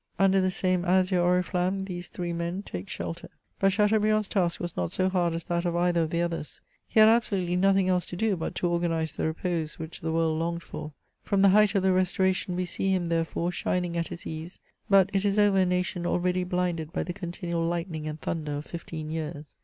Under the same azure oriflamme these three men take shelter. But Chateau briand's task was not so hard as that of either of the others. He had absolutely nothing else to do but to organize the repose which the world longed for. From the height of the Restoration we see him, therefore, shining at his ease, hut it is over a nation already blinded by the continual lightning and thunder of fifteen years.